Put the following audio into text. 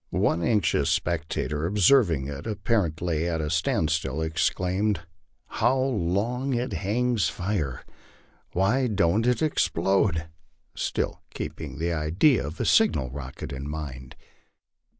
One anxious spectator, observing it appar ently at a standstill, exclaimed, "How long it hangs fire! why don't it ex plode?" still keeping the idea of a signal rocket in mind.